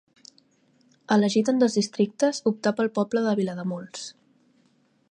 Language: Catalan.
Elegit en dos districtes, optà pel poble de Vilademuls.